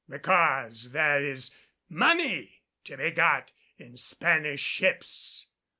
Because there is money to be got in Spanish ships.